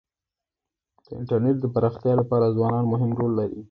د انټرنېټ د پراختیا لپاره ځوانان مهم رول لري.